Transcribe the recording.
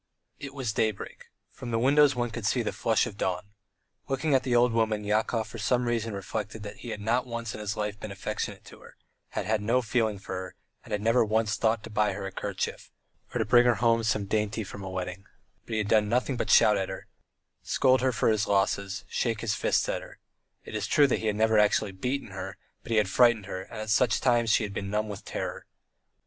It was daybreak; from the windows one could see the flush of dawn. Looking at the old woman, Yakov for some reason reflected that he had not once in his life been affectionate to her, had had no feeling for her, had never once thought to buy her a kerchief, or to bring her home some dainty from a wedding, but had done nothing but shout at her, scold her for his losses, shake his fists at her; it is true he had never actually beaten her, but he had frightened her, and at such times she had always been numb with terror.